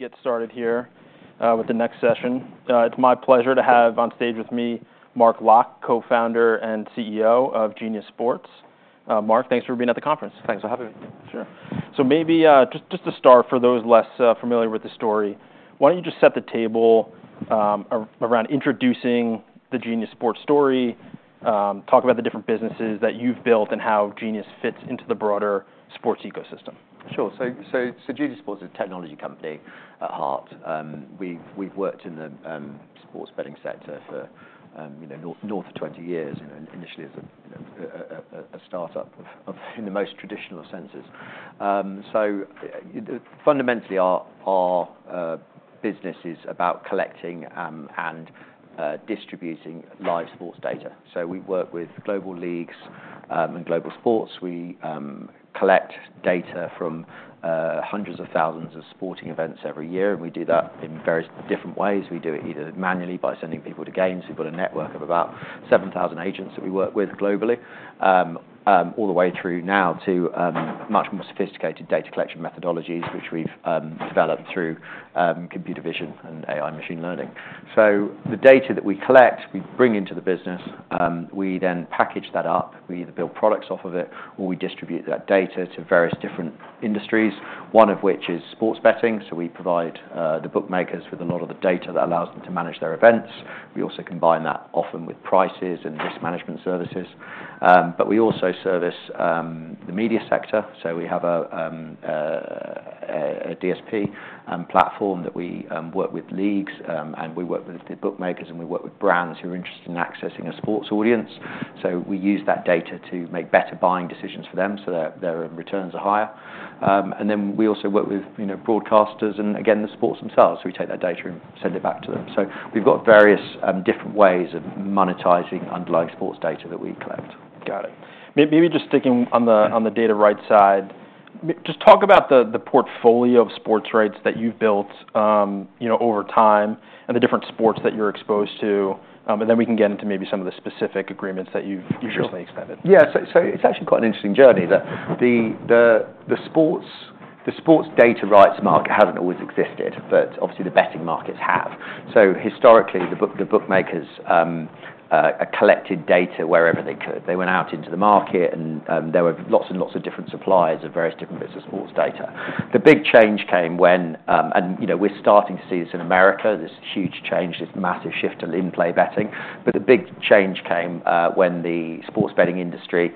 Get started here, with the next session. It's my pleasure to have on stage with me, Mark Locke, Co-founder and CEO of Genius Sports. Mark, thanks for being at the conference. Thanks for having me. Sure, so maybe just to start, for those less familiar with the story, why don't you just set the table around introducing the Genius Sports story, talk about the different businesses that you've built, and how Genius fits into the broader sports ecosystem? Sure. Genius Sports is a technology company at heart. We've worked in the sports betting sector for you know, north of 20 years, and initially as a you know, a startup in the most traditional senses. Fundamentally, our business is about collecting and distributing live sports data. We work with global leagues and global sports. We collect data from hundreds of thousands of sporting events every year, and we do that in various different ways. We do it either manually by sending people to games. We've got a network of about 7,000 agents that we work with globally. All the way through now to much more sophisticated data collection methodologies, which we've developed through computer vision and AI machine learning. So the data that we collect, we bring into the business, we then package that up. We either build products off of it, or we distribute that data to various different industries, one of which is sports betting. So we provide the bookmakers with a lot of the data that allows them to manage their events. We also combine that often with prices and risk management services. But we also service the media sector. So we have a DSP and platform that we work with leagues, and we work with the bookmakers, and we work with brands who are interested in accessing a sports audience. So we use that data to make better buying decisions for them so that their returns are higher. And then we also work with, you know, broadcasters and again, the sports themselves. We take that data and send it back to them. So we've got various, different ways of monetizing underlying sports data that we collect. Got it. Maybe just sticking on the data rights side, just talk about the portfolio of sports rights that you've built, you know, over time, and the different sports that you're exposed to. And then we can get into maybe some of the specific agreements that you've recently expanded. Sure. Yeah, so it's actually quite an interesting journey, that the sports data rights market hasn't always existed, but obviously, the betting markets have. So historically, the bookmakers collected data wherever they could. They went out into the market, and there were lots and lots of different suppliers of various different bits of sports data. The big change came when, and you know, we're starting to see this in America, this huge change, this massive shift to in-play betting. But the big change came when the sports betting industry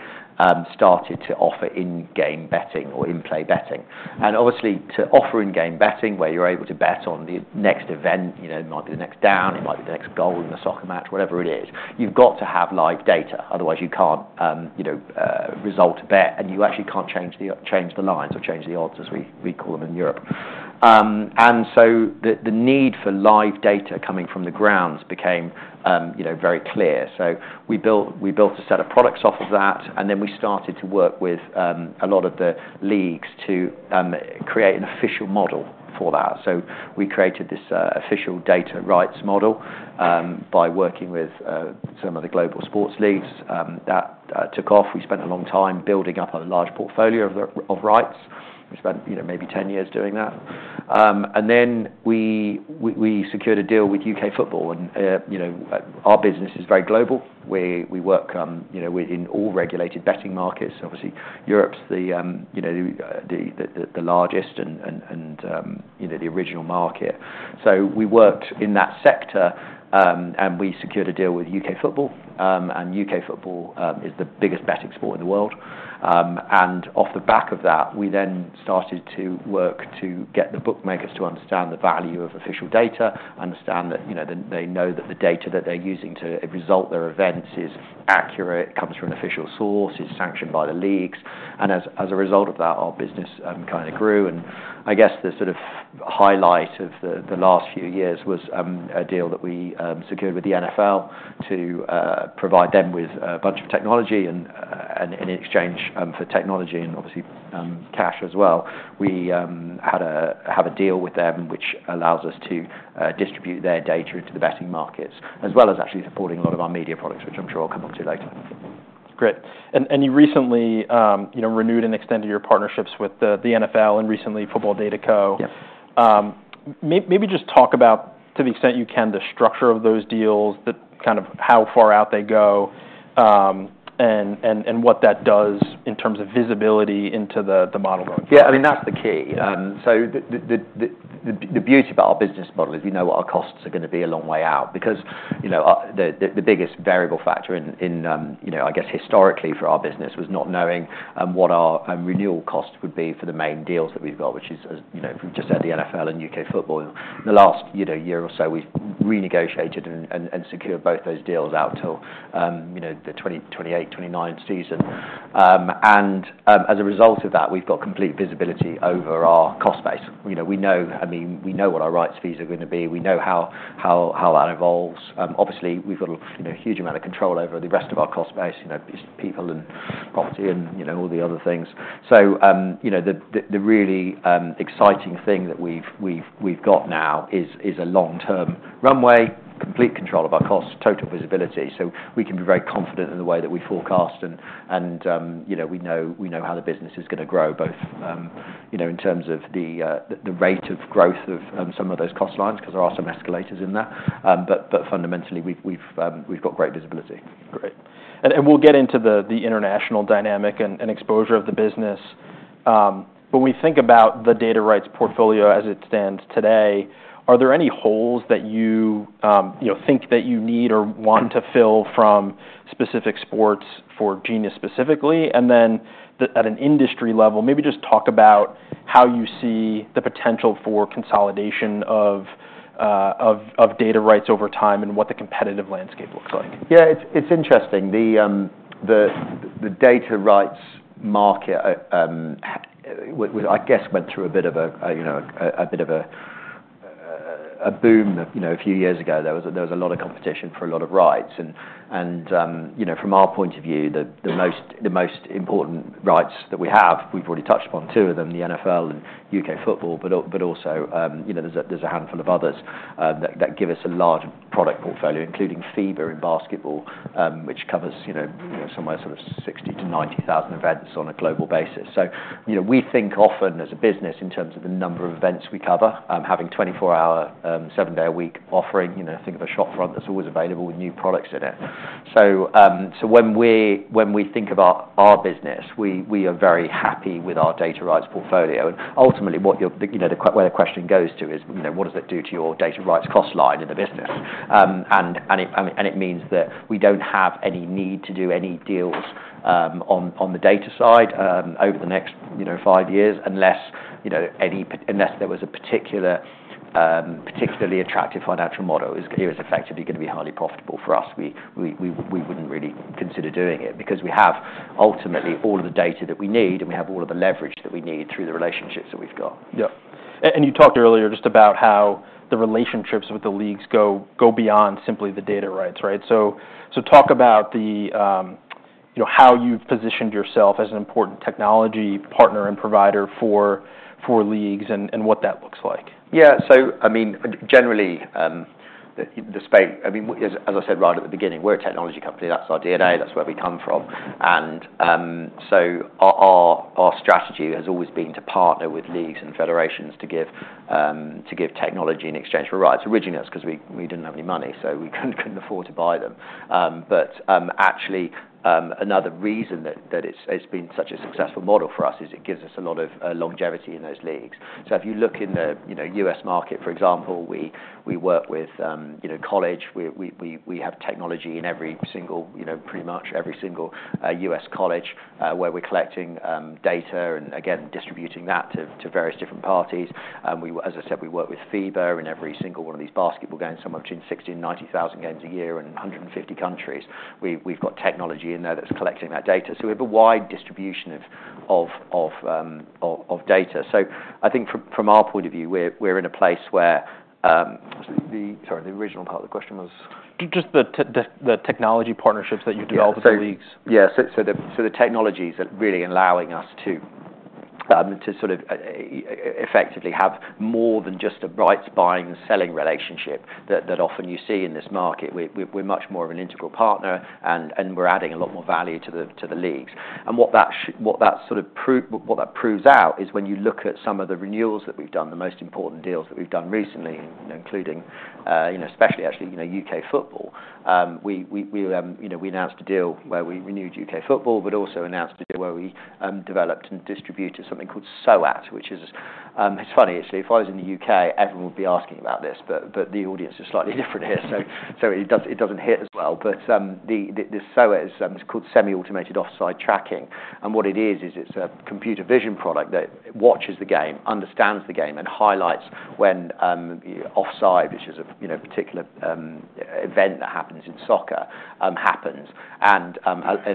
started to offer in-game betting or in-play betting. And obviously, to offer in-game betting, where you're able to bet on the next event, you know, it might be the next down, it might be the next goal in a soccer match, whatever it is, you've got to have live data. Otherwise, you can't, you know, result a bet, and you actually can't change the lines, or change the odds, as we call them in Europe. And so the need for live data coming from the grounds became, you know, very clear. So we built a set of products off of that, and then we started to work with a lot of the leagues to create an official model for that. So we created this official data rights model by working with some of the global sports leagues that took off. We spent a long time building up a large portfolio of rights. We spent, you know, maybe 10 years doing that, and then we secured a deal with UK Football, and you know, our business is very global. We work, you know, within all regulated betting markets. Obviously, Europe's the, you know, the largest and, you know, the original market, so we worked in that sector, and we secured a deal with UK Football. UK Football is the biggest betting sport in the world. Off the back of that, we then started to work to get the bookmakers to understand the value of official data, understand that, you know, they know that the data that they're using to result their events is accurate, comes from an official source, is sanctioned by the leagues. As a result of that, our business kinda grew. I guess the sort of highlight of the last few years was a deal that we secured with the NFL to provide them with a bunch of technology and, in exchange, for technology and obviously cash as well. We have a deal with them, which allows us to distribute their data into the betting markets, as well as actually supporting a lot of our media products, which I'm sure I'll come on to later. Great. And you recently, you know, renewed and extended your partnerships with the NFL and recently, Football DataCo. Yes. Maybe just talk about, to the extent you can, the structure of those deals, the kind of how far out they go, and what that does in terms of visibility into the model going forward. Yeah, I mean, that's the key. So the beauty about our business model is we know what our costs are gonna be a long way out because, you know, the biggest variable factor in, you know, I guess historically for our business was not knowing, what our, renewal costs would be for the main deals that we've got, which is, as you know, from just the NFL and UK Football. The last, you know, year or so, we've renegotiated and secured both those deals out till, you know, the 2028-2029 season. And, as a result of that, we've got complete visibility over our cost base. You know, we know. I mean, we know what our rights fees are gonna be. We know how that evolves. Obviously, we've got a you know, huge amount of control over the rest of our cost base, you know, business people and property and, you know, all the other things. So, you know, the really exciting thing that we've got now is a long-term runway, complete control of our costs, total visibility, so we can be very confident in the way that we forecast. You know, we know how the business is going to grow, both you know, in terms of the rate of growth of some of those cost lines, because there are some escalators in there. But fundamentally, we've got great visibility. Great. And we'll get into the international dynamic and exposure of the business. When we think about the data rights portfolio as it stands today, are there any holes that you, you know, think that you need or want to fill from specific sports for Genius specifically? And then at an industry level, maybe just talk about how you see the potential for consolidation of data rights over time and what the competitive landscape looks like. Yeah, it's interesting. The data rights market, I guess, went through a bit of a boom, you know, a few years ago. There was a lot of competition for a lot of rights. And from our point of view, the most important rights that we have, we've already touched upon two of them, the NFL and UK Football, but also, there's a handful of others that give us a large product portfolio, including FIBA in basketball, which covers, you know, somewhere sort of 60,000-90,000 events on a global basis. So, you know, we think often as a business, in terms of the number of events we cover, having twenty-four hour, seven day a week offering, you know, think of a shop front that's always available with new products in it. So, when we think about our business, we are very happy with our data rights portfolio. And ultimately, what you're, you know, the question where the question goes to is, you know, what does it do to your data rights cost line in the business? And it means that we don't have any need to do any deals on the data side over the next, you know, five years, unless there was a particular particularly attractive financial model. It is effectively going to be highly profitable for us. We wouldn't really consider doing it because we have, ultimately, all of the data that we need, and we have all of the leverage that we need through the relationships that we've got. Yep. And you talked earlier just about how the relationships with the leagues go beyond simply the data rights, right? So talk about, you know, how you've positioned yourself as an important technology partner and provider for leagues and what that looks like. Yeah. So, I mean, generally, the space—I mean, as I said right at the beginning, we're a technology company. That's our DNA, that's where we come from. And, so our strategy has always been to partner with leagues and federations to give technology in exchange for rights. Originally, it's because we didn't have any money, so we couldn't afford to buy them. But, actually, another reason that it's been such a successful model for us is it gives us a lot of longevity in those leagues. So if you look in the, you know, U.S. market, for example, we work with, you know, college. We have technology in every single, you know, pretty much every single U.S. college where we're collecting data and again, distributing that to various different parties, and as I said, we work with FIBA in every single one of these basketball games, somewhere between 60,000 and 90,000 games a year in 150 countries. We've got technology in there that's collecting that data. So we have a wide distribution of data. So I think from our point of view, we're in a place where... Sorry, the original part of the question was? Just the technology partnerships that you developed with the leagues. Yeah. So the technologies are really allowing us to sort of effectively have more than just a rights buying and selling relationship that often you see in this market. We're much more of an integral partner, and we're adding a lot more value to the leagues. And what that sort of proves out is when you look at some of the renewals that we've done, the most important deals that we've done recently, including, you know, especially actually, you know, UK Football. We announced a deal where we renewed UK football, but also announced a deal where we developed and distributed something called SAOT, which is... It's funny, actually, if I was in the U.K., everyone would be asking about this, but the audience is slightly different here. It doesn't hit as well, but the SAOT is called Semi-Automated Offside Tracking, and what it is, it's a computer vision product that watches the game, understands the game, and highlights when offside, which is a, you know, particular event that happens in soccer, and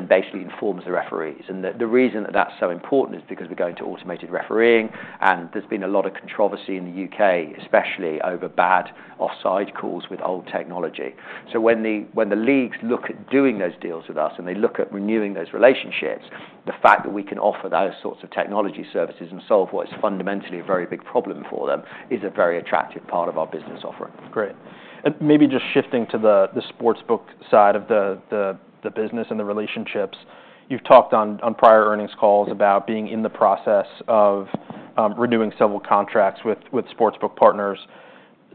basically informs the referees, and the reason that that's so important is because we're going to automated refereeing, and there's been a lot of controversy in the U.K., especially over bad offside calls with old technology. So when the leagues look at doing those deals with us, and they look at renewing those relationships, the fact that we can offer those sorts of technology services and solve what is fundamentally a very big problem for them is a very attractive part of our business offering. Great. And maybe just shifting to the sportsbook side of the business and the relationships. You've talked on prior earnings calls about being in the process of renewing several contracts with sportsbook partners.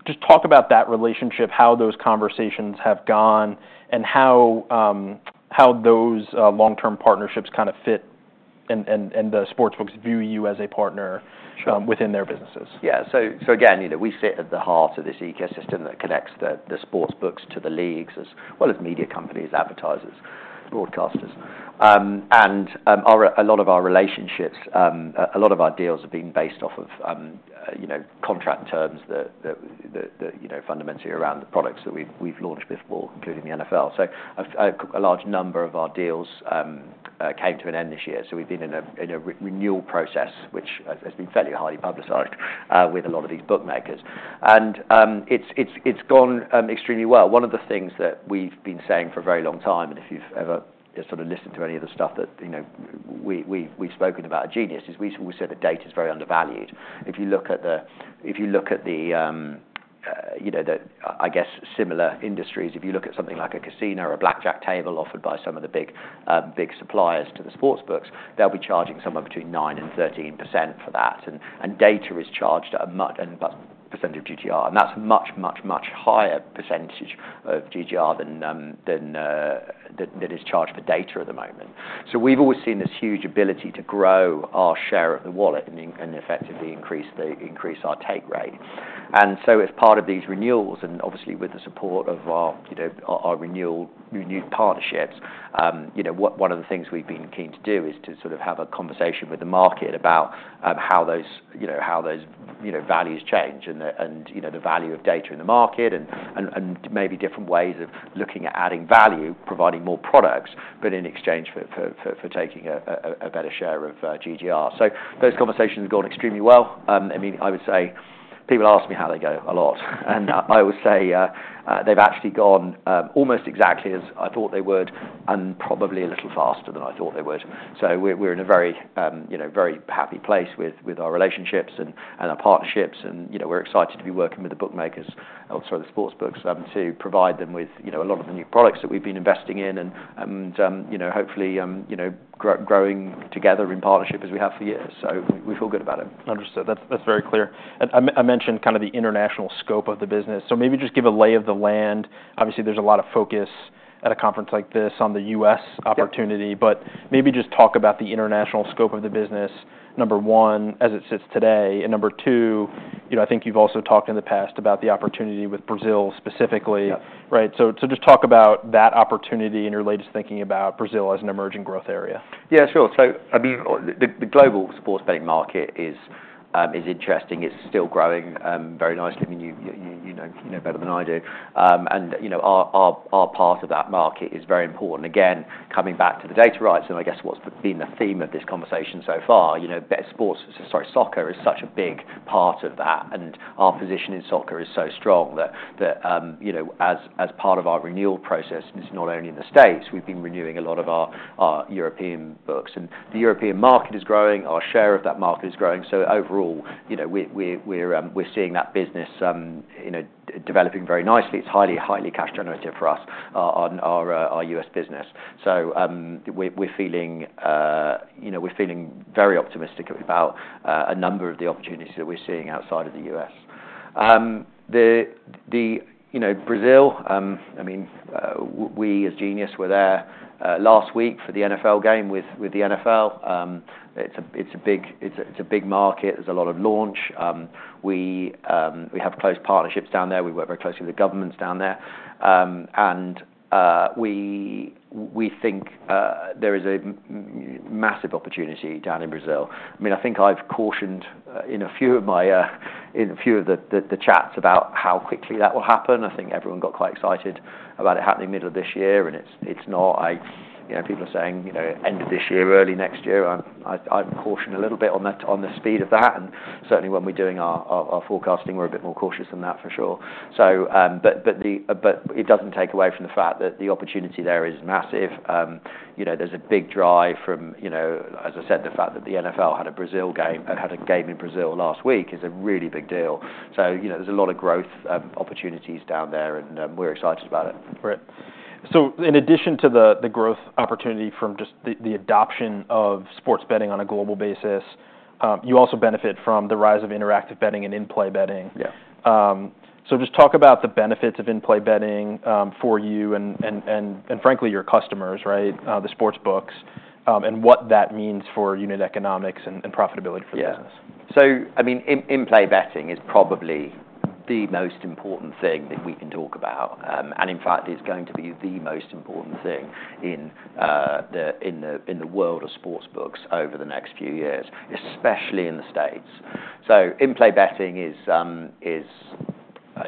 Just talk about that relationship, how those conversations have gone, and how those long-term partnerships kind of fit, and the sportsbooks view you as a partner- Sure.... within their businesses. Yeah. So again, you know, we sit at the heart of this ecosystem that connects the sportsbooks to the leagues, as well as media companies, advertisers, broadcasters. And a lot of our relationships, a lot of our deals have been based off of, you know, contract terms that, you know, fundamentally around the products that we've launched before, including the NFL. So a large number of our deals came to an end this year. So we've been in a renewal process, which has been fairly highly publicized with a lot of these bookmakers. And it's gone extremely well. One of the things that we've been saying for a very long time, and if you've ever just sort of listened to any of the stuff that, you know, we've spoken about Genius, is we sort of say the data is very undervalued. If you look at the, you know, the, I guess, similar industries, if you look at something like a casino or a blackjack table offered by some of the big suppliers to the sports books, they'll be charging somewhere between 9%-13% for that. And data is charged at a much lower percentage of GGR, and that's a much, much, much higher percentage of GGR than is charged for data at the moment. So we've always seen this huge ability to grow our share of the wallet and effectively increase our take rate. And so as part of these renewals, and obviously with the support of our, you know, our renewed partnerships, you know, one of the things we've been keen to do is to sort of have a conversation with the market about how those values change and the value of data in the market and maybe different ways of looking at adding value, providing more products, but in exchange for taking a better share of GGR. So those conversations have gone extremely well. I mean, I would say people ask me how they go a lot, and I would say, they've actually gone almost exactly as I thought they would, and probably a little faster than I thought they would. So we're in a very, you know, very happy place with our relationships and our partnerships, and, you know, we're excited to be working with the bookmakers, also the sports books, to provide them with, you know, a lot of the new products that we've been investing in and, you know, hopefully, you know, growing together in partnership as we have for years. So we feel good about it. Understood. That's very clear. And I mentioned kinda the international scope of the business, so maybe just give a lay of the land. Obviously, there's a lot of focus at a conference like this on the U.S. opportunity- Yep. But maybe just talk about the international scope of the business, number one, as it sits today, and number two, you know, I think you've also talked in the past about the opportunity with Brazil specifically. Yeah. Right. So, just talk about that opportunity and your latest thinking about Brazil as an emerging growth area. Yeah, sure. So, I mean, the global sports betting market is interesting. It's still growing very nicely. I mean, you know better than I do, and you know, our part of that market is very important. Again, coming back to the data rights, and I guess what's been the theme of this conversation so far, you know, best sports - sorry, soccer is such a big part of that, and our position in soccer is so strong that you know, as part of our renewal process, it's not only in the States, we've been renewing a lot of our European books, and the European market is growing, our share of that market is growing, so overall, you know, we're seeing that business developing very nicely. It's highly, highly cash generative for us, on our U.S. business. So, we're feeling, you know, we're feeling very optimistic about a number of the opportunities that we're seeing outside of the U.S. You know, Brazil, I mean, we as Genius were there last week for the NFL game with the NFL. It's a big market. There's a lot of launch. We have close partnerships down there. We work very closely with the governments down there. And we think there is a massive opportunity down in Brazil. I mean, I think I've cautioned in a few of the chats about how quickly that will happen. I think everyone got quite excited about it happening middle of this year, and it's not. You know, people are saying, you know, end of this year, early next year. I'm cautioned a little bit on the speed of that, and certainly when we're doing our forecasting, we're a bit more cautious than that, for sure. So, but it doesn't take away from the fact that the opportunity there is massive. You know, there's a big drive from, you know, as I said, the fact that the NFL had a Brazil game and had a game in Brazil last week is a really big deal. So, you know, there's a lot of growth opportunities down there, and we're excited about it. Great. So in addition to the growth opportunity from just the adoption of sports betting on a global basis, you also benefit from the rise of interactive betting and in-play betting. Yeah. So just talk about the benefits of in-play betting for you and frankly your customers, right, the sportsbooks, and what that means for unit economics and profitability for the business. Yeah. So, I mean, in-play betting is probably the most important thing that we can talk about. And in fact, it's going to be the most important thing in the world of sports books over the next few years, especially in the States, so in-play betting is,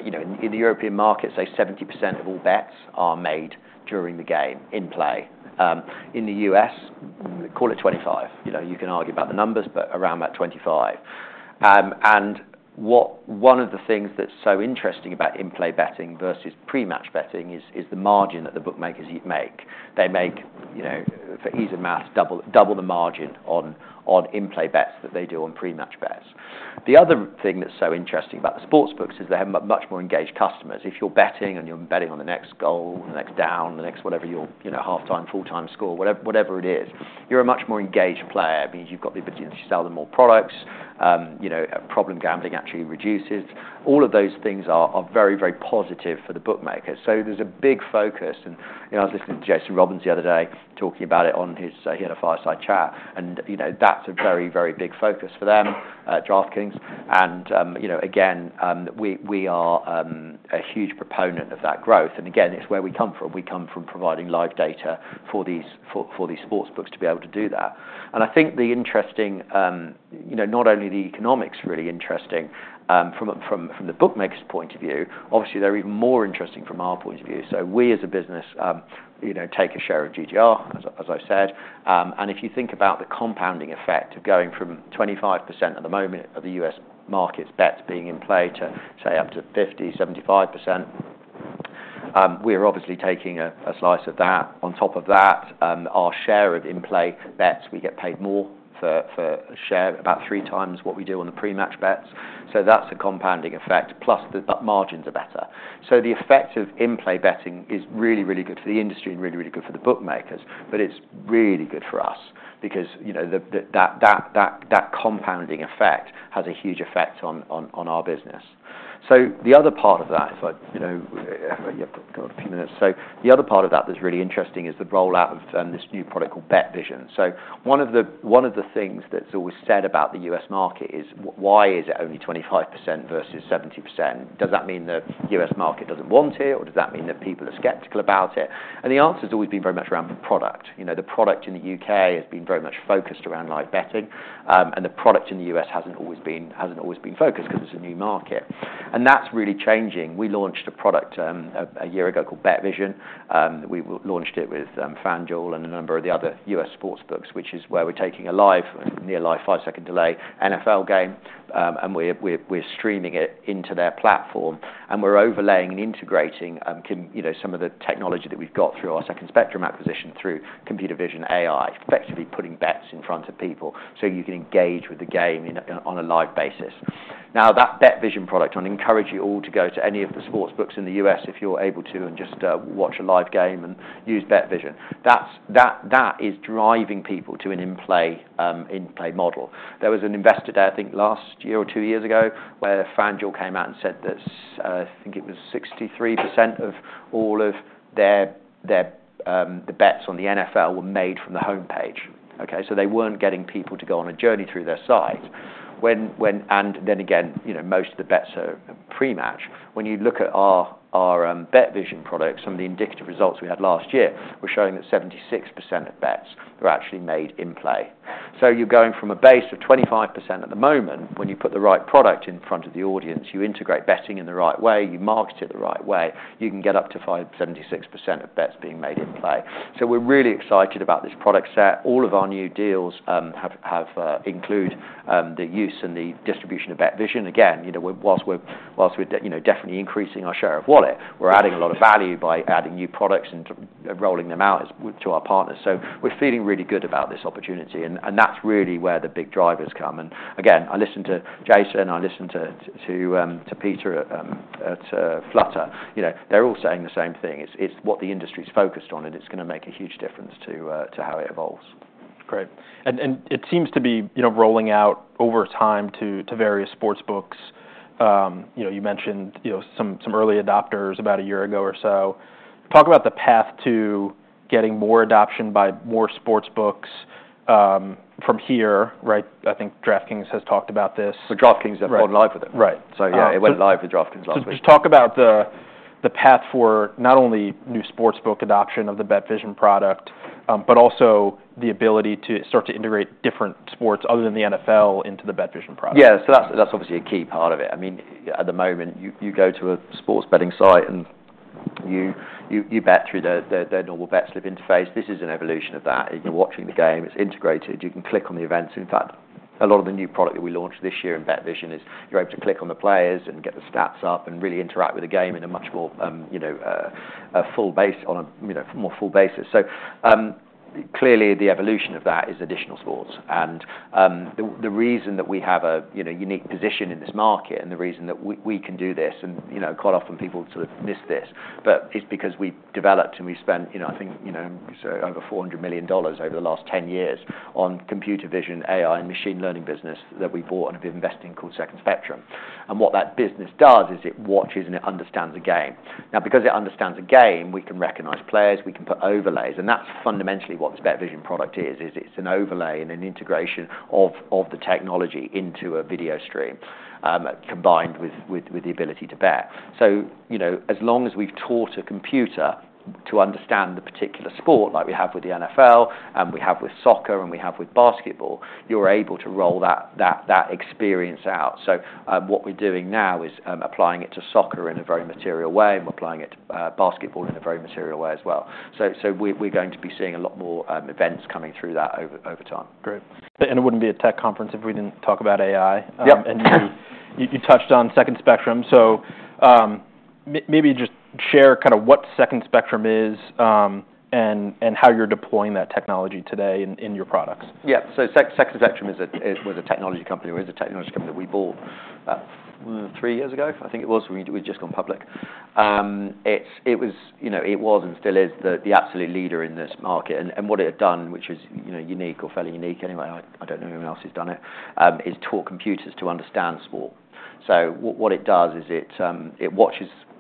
you know, in the European market, say 70% of all bets are made during the game, in play. In the U.S., call it 25%. You know, you can argue about the numbers, but around 25%. And one of the things that's so interesting about in-play betting versus pre-match betting is the margin that the bookmakers make. They make, you know, for ease of math, double the margin on in-play bets than they do on pre-match bets. The other thing that's so interesting about the sports books is they have much more engaged customers. If you're betting and you're betting on the next goal, the next down, the next whatever your you know half time full time score whatever it is, you're a much more engaged player. It means you've got the ability to sell them more products. You know, problem gambling actually reduces. All of those things are very very positive for the bookmaker. So there's a big focus, and you know I was listening to Jason Robins the other day talking about it on his he had a fireside chat, and you know that's a very very big focus for them DraftKings, and you know again we are a huge proponent of that growth, and again it's where we come from. We come from providing live data for these sports books to be able to do that, and I think the interesting, you know, not only the economics really interesting, from the bookmaker's point of view, obviously, they're even more interesting from our point of view, so we, as a business, you know, take a share of GGR, as I said, and if you think about the compounding effect of going from 25% at the moment of the U.S. markets bets being in play to, say, up to 50%, 75%.... We are obviously taking a slice of that. On top of that, our share of in-play bets, we get paid more for a share, about three times what we do on the pre-match bets. So that's a compounding effect, plus the margins are better. So the effect of in-play betting is really, really good for the industry and really, really good for the bookmakers, but it's really good for us because, you know, that compounding effect has a huge effect on our business. So the other part of that which is really interesting is the rollout of this new product called BetVision. So one of the things that's always said about the U.S. market is why is it only 25% versus 70%? Does that mean the U.S. market doesn't want it, or does that mean that people are skeptical about it? And the answer has always been very much around the product. You know, the product in the UK has been very much focused around live betting, and the product in the U.S. hasn't always been, hasn't always been focused because it's a new market. And that's really changing. We launched a product, a year ago called BetVision. We launched it with FanDuel and a number of the other U.S. sportsbooks, which is where we're taking a live, near live, five-second delay, NFL game, and we're streaming it into their platform, and we're overlaying and integrating, you know, some of the technology that we've got through our Second Spectrum acquisition through computer vision AI, effectively putting bets in front of people so you can engage with the game in a, on a live basis. Now, that BetVision product, I encourage you all to go to any of the sportsbooks in the U.S., if you're able to, and just watch a live game and use BetVision. That is driving people to an in-play model. There was an investor day, I think, last year or two years ago, where FanDuel came out and said that I think it was 63% of all of their bets on the NFL were made from the homepage, okay? So they weren't getting people to go on a journey through their site. And then again, you know, most of the bets are pre-match. When you look at our BetVision products, some of the indicative results we had last year were showing that 76% of bets were actually made in-play. So you're going from a base of 25% at the moment, when you put the right product in front of the audience, you integrate betting in the right way, you market it the right way, you can get up to 57.6% of bets being made in play. So we're really excited about this product set. All of our new deals have include the use and the distribution of BetVision. Again, you know, while we're definitely increasing our share of wallet, we're adding a lot of value by adding new products and then rolling them out to our partners. So we're feeling really good about this opportunity, and that's really where the big drivers come. And again, I listened to Jason, I listened to Peter at Flutter. You know, they're all saying the same thing. It's what the industry's focused on, and it's gonna make a huge difference to how it evolves. Great. And it seems to be, you know, rolling out over time to various sportsbooks. You know, you mentioned, you know, some early adopters about a year ago or so. Talk about the path to getting more adoption by more sportsbooks, from here, right? I think DraftKings has talked about this. DraftKings have gone live with it. Right. Yeah, it went live with DraftKings last week. Just talk about the path for not only new sportsbook adoption of the BetVision product, but also the ability to start to integrate different sports other than the NFL into the BetVision product. Yeah, so that's obviously a key part of it. I mean, at the moment, you go to a sports betting site, and you bet through the normal bet slip interface. This is an evolution of that. You're watching the game, it's integrated, you can click on the events. In fact, a lot of the new product that we launched this year in BetVision is you're able to click on the players and get the stats up and really interact with the game in a much more, you know, on a, you know, more full basis. So, clearly, the evolution of that is additional sports. The reason that we have a unique position in this market, and the reason that we can do this and, you know, quite often people sort of miss this, but it's because we developed and we spent, you know, I think, you know, so over $400 million over the last 10 years on computer vision, AI, and machine learning business that we bought and have been investing called Second Spectrum. What that business does is it watches and it understands the game. Now, because it understands the game, we can recognize players, we can put overlays, and that's fundamentally what this BetVision product is. It's an overlay and an integration of the technology into a video stream, combined with the ability to bet. So, you know, as long as we've taught a computer to understand the particular sport, like we have with the NFL, and we have with soccer, and we have with basketball, you're able to roll that experience out. So, what we're doing now is applying it to soccer in a very material way, and we're applying it to basketball in a very material way as well. So, we're going to be seeing a lot more events coming through that over time. Great. And it wouldn't be a tech conference if we didn't talk about AI. Yep. And you touched on Second Spectrum. So, maybe just share kinda what Second Spectrum is, and how you're deploying that technology today in your products. Yeah. Second Spectrum is a technology company that we bought three years ago, I think it was. We'd just gone public. It was, you know, it was and still is the absolute leader in this market. What it had done, which is, you know, unique or fairly unique anyway, I don't know anyone else who's done it, is taught computers to understand sport. What it does is it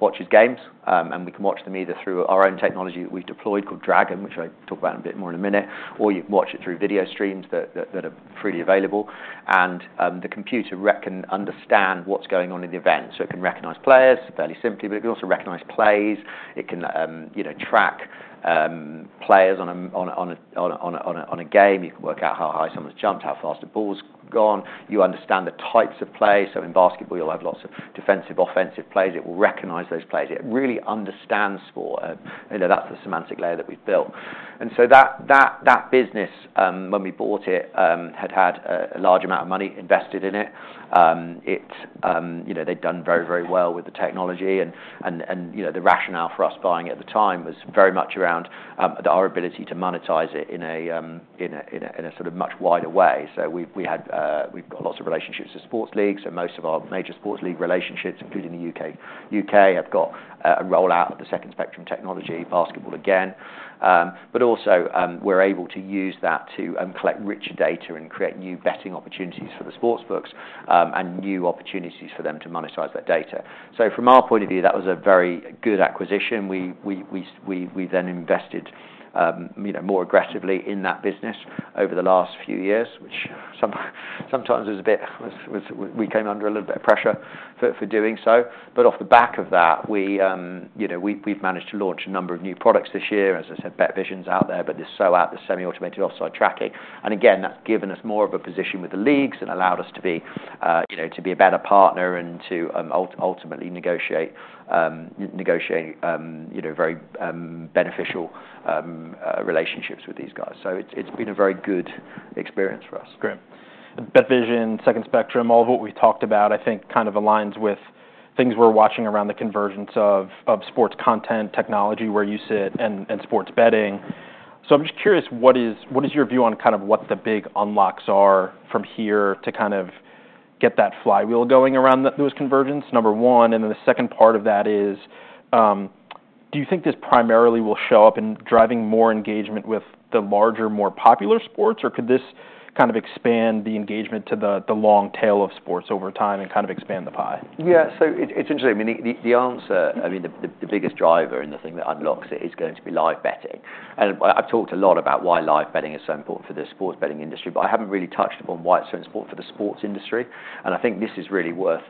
watches games, and we can watch them either through our own technology that we've deployed, called Dragon, which I'll talk about a bit more in a minute, or you can watch it through video streams that are freely available. The computer can understand what's going on in the event. So it can recognize players fairly simply, but it can also recognize plays. It can, you know, track players on a game. You can work out how high someone's jumped, how fast the ball's gone. You understand the types of play. So in basketball, you'll have lots of defensive, offensive plays. It will recognize those plays. It really understands sport. You know, that's the semantic layer that we've built. And so that business, when we bought it, had a large amount of money invested in it. You know, they'd done very, very well with the technology, and you know, the rationale for us buying at the time was very much around our ability to monetize it in a sort of much wider way. So we've got lots of relationships with sports leagues, and most of our major sports league relationships, including the UK, have got a rollout of the Second Spectrum technology, basketball again. But also, we're able to use that to collect rich data and create new betting opportunities for the sports books, and new opportunities for them to monetize that data. So from our point of view, that was a very good acquisition. We then invested, you know, more aggressively in that business over the last few years, which sometimes was a bit. We came under a little bit of pressure for doing so. But off the back of that, we, you know, we've managed to launch a number of new products this year. As I said, BetVision's out there, but there's SAOT, the Semi-Automated Offside Technology. And again, that's given us more of a position with the leagues and allowed us to be, you know, to be a better partner and to ultimately negotiate, you know, very beneficial relationships with these guys. So it's been a very good experience for us. Great. BetVision, Second Spectrum, all of what we talked about, I think, kind of aligns with things we're watching around the convergence of sports content, technology, where you sit, and sports betting. So I'm just curious, what is your view on kind of what the big unlocks are from here to kind of get that flywheel going around the those convergence, number one? And then the second part of that is, do you think this primarily will show up in driving more engagement with the larger, more popular sports, or could this kind of expand the engagement to the long tail of sports over time and kind of expand the pie? Yeah, so it's interesting. I mean, the answer, I mean, the biggest driver and the thing that unlocks it is going to be live betting. And I've talked a lot about why live betting is so important for the sports betting industry, but I haven't really touched upon why it's so important for the sports industry, and I think this is really worth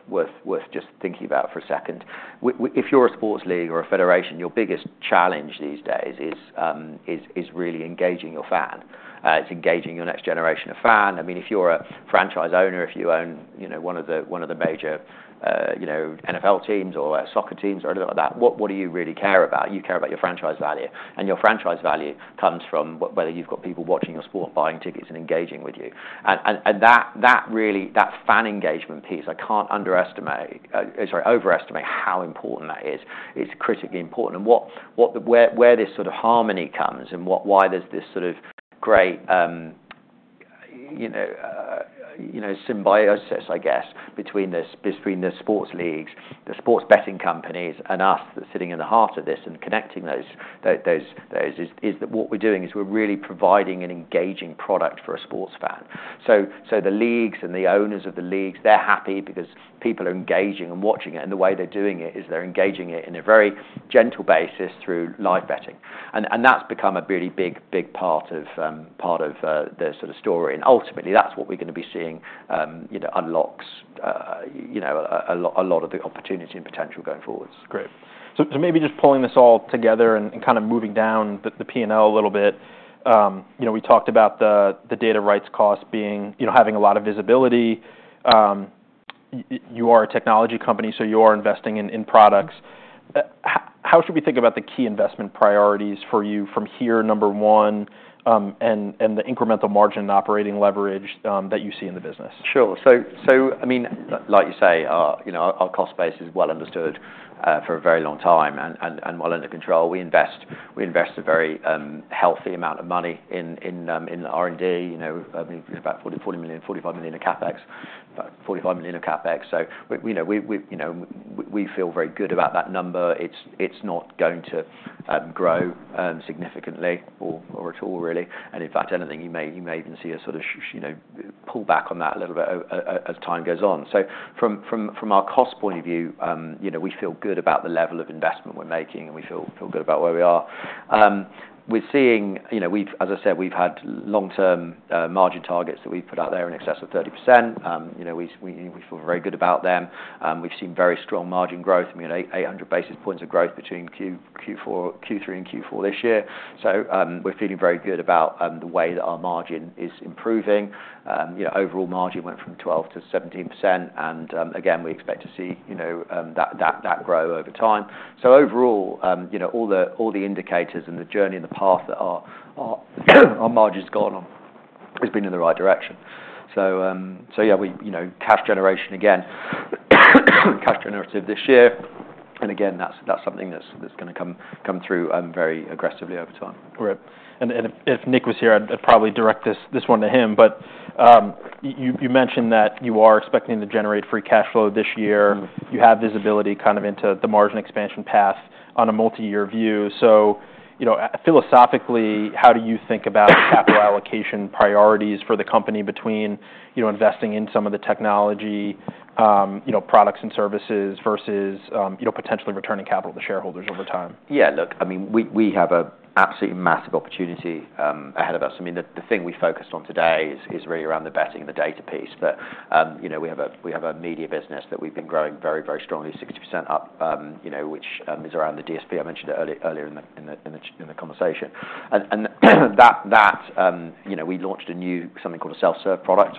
just thinking about for a second. If you're a sports league or a federation, your biggest challenge these days is really engaging your fan. It's engaging your next generation of fan. I mean, if you're a franchise owner, if you own, you know, one of the major, you know, NFL teams or soccer teams or anything like that, what do you really care about? You care about your franchise value, and your franchise value comes from whether you've got people watching your sport, buying tickets and engaging with you. And that really, that fan engagement piece, I can't underestimate, sorry, overestimate how important that is. It's critically important. And where this sort of harmony comes and why there's this sort of great, you know, symbiosis, I guess, between the sports leagues, the sports betting companies, and us, that's sitting in the heart of this and connecting those is that what we're doing is we're really providing an engaging product for a sports fan. So the leagues and the owners of the leagues, they're happy because people are engaging and watching it, and the way they're doing it is they're engaging it in a very gentle basis through live betting. And that's become a really big part of the sort of story. And ultimately, that's what we're gonna be seeing, you know, unlocks, you know, a lot of the opportunity and potential going forward. Great. So maybe just pulling this all together and kind of moving down the P&L a little bit, you know, we talked about the data rights cost being, you know, having a lot of visibility. You are a technology company, so you are investing in products. How should we think about the key investment priorities for you from here, number one, and the incremental margin and operating leverage that you see in the business? Sure. So, I mean, like you say, you know, our cost base is well understood for a very long time and well under control. We invest a very healthy amount of money in R&D, you know, about $40 million-$45 million of CapEx. So, but, you know, we feel very good about that number. It's not going to grow significantly or at all, really. And in fact, you may even see a sort of you know, pull back on that a little bit as time goes on. So from our cost point of view, you know, we feel good about the level of investment we're making, and we feel good about where we are. We're seeing, you know, as I said, we've had long-term margin targets that we've put out there in excess of 30%. You know, we feel very good about them. We've seen very strong margin growth. I mean, eight hundred basis points of growth between Q3 and Q4 this year. So, we're feeling very good about the way that our margin is improving. You know, overall margin went from 12% to 17%, and again, we expect to see, you know, that grow over time. So overall, you know, all the indicators and the journey and the path that our margin's gone on has been in the right direction. So yeah, we you know cash generation again cash narrative this year. And again that's something that's gonna come through very aggressively over time. Great. And if Nick was here, I'd probably direct this one to him. But you mentioned that you are expecting to generate free cash flow this year. You have visibility kind of into the margin expansion path on a multi-year view. So, you know, philosophically, how do you think about capital allocation priorities for the company between, you know, investing in some of the technology, you know, products and services, versus, you know, potentially returning capital to shareholders over time? Yeah, look, I mean, we have an absolutely massive opportunity ahead of us. I mean, the thing we focused on today is really around the betting and the data piece. But you know, we have a media business that we've been growing very, very strongly, 60% up, you know, which is around the DSP. I mentioned it earlier in the conversation. And that you know, we launched a new something called a self-serve product,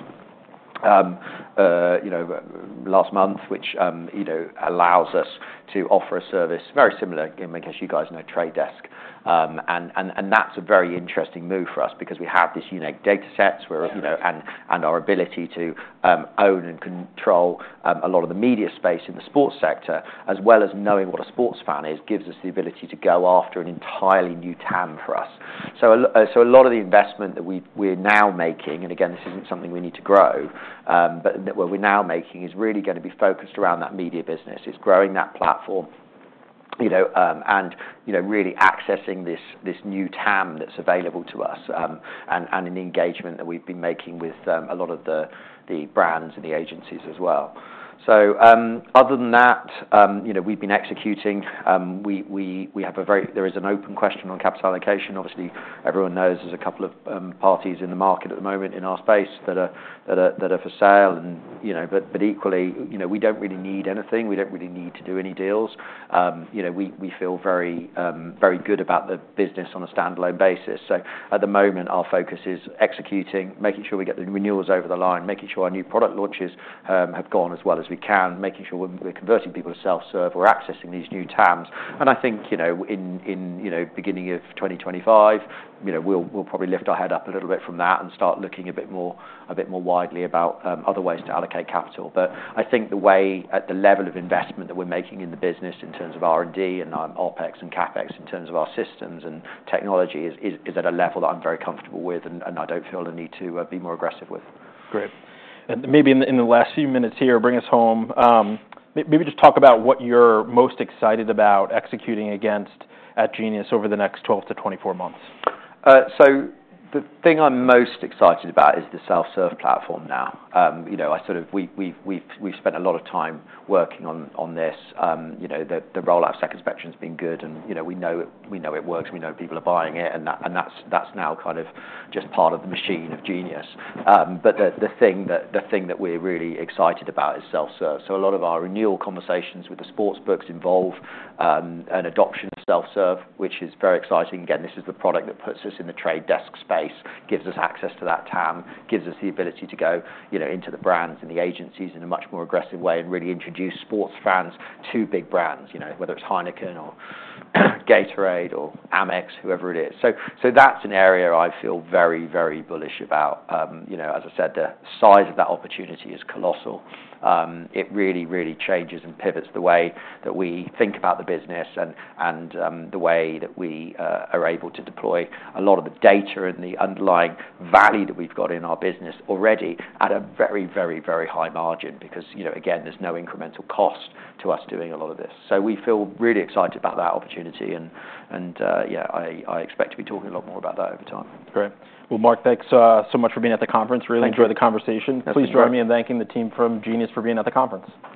you know, last month, which you know allows us to offer a service very similar, in case you guys know Trade Desk. That's a very interesting move for us because we have this unique data sets where, you know, and our ability to own and control a lot of the media space in the sports sector, as well as knowing what a sports fan is, gives us the ability to go after an entirely new TAM for us. So a lot of the investment that we're now making, and again, this isn't something we need to grow, but that what we're now making is really gonna be focused around that media business. It's growing that platform, you know, and, you know, really accessing this, this new TAM that's available to us, and an engagement that we've been making with a lot of the brands and the agencies as well. Other than that, you know, we've been executing. There is an open question on capital allocation. Obviously, everyone knows there's a couple of parties in the market at the moment in our space that are for sale and, you know, but equally, we don't really need anything. We don't really need to do any deals. You know, we feel very good about the business on a standalone basis. At the moment, our focus is executing, making sure we get the renewals over the line, making sure our new product launches have gone as well as we can, making sure we're converting people to self-serve, we're accessing these new TAMs. I think, you know, in the beginning of 2025, you know, we'll probably lift our head up a little bit from that and start looking a bit more widely about other ways to allocate capital. I think the way, at the level of investment that we're making in the business in terms of R&D and OpEx and CapEx, in terms of our systems and technology, is at a level that I'm very comfortable with, and I don't feel the need to be more aggressive with. Great, and maybe in the last few minutes here, bring us home. Maybe just talk about what you're most excited about executing against at Genius over the next 12 to 24 months. So the thing I'm most excited about is the self-serve platform now. You know, we've spent a lot of time working on this. You know, the rollout Second Spectrum has been good, and you know, we know it works, we know people are buying it, and that's now kind of just part of the machine of Genius. But the thing that we're really excited about is self-serve. So a lot of our renewal conversations with the sports books involve an adoption of self-serve, which is very exciting. Again, this is the product that puts us in the trade desk space, gives us access to that TAM, gives us the ability to go, you know, into the brands and the agencies in a much more aggressive way, and really introduce sports fans to big brands, you know, whether it's Heineken or Gatorade or Amex, whoever it is. So that's an area I feel very, very bullish about. You know, as I said, the size of that opportunity is colossal. It really, really changes and pivots the way that we think about the business and the way that we are able to deploy a lot of the data and the underlying value that we've got in our business already at a very, very, very high margin, because, you know, again, there's no incremental cost to us doing a lot of this. So we feel really excited about that opportunity, and yeah, I expect to be talking a lot more about that over time. Great.